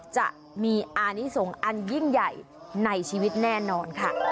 จะมีอานิสงฆ์อันยิ่งใหญ่ในชีวิตแน่นอนค่ะ